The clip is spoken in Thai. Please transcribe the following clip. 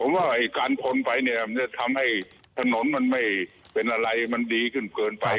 ผมว่าการพนไปทำให้ถนนมันไม่เป็นอะไรมันดีขึ้นเกินไป